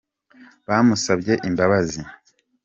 bamusabye imbabazi.